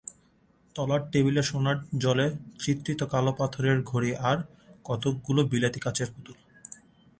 তলায় টেবিলে সোনার জলে চিত্রিত কালো পাথরের ঘড়ি, আর কতকগুলো বিলিতি কাঁচের পুতুল।